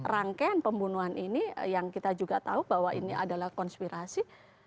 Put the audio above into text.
rangkaian pembunuhan ini yang kita juga tahu bahwa ini adalah konspirasi